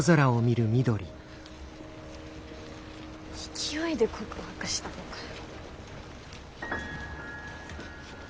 勢いで告白したのかよ。